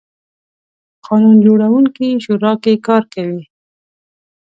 قانون جوړوونکې شورا کې کار کوي.